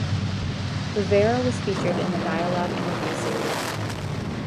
Rivera was featured in The Dialogue interview series.